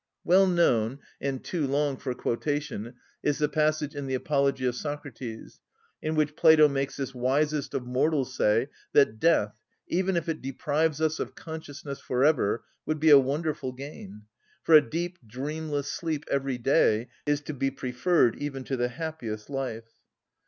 Well known and too long for quotation is the passage in the "Apology of Socrates," in which Plato makes this wisest of mortals say that death, even if it deprives us of consciousness for ever, would be a wonderful gain, for a deep, dreamless sleep every day is to be preferred even to the happiest life.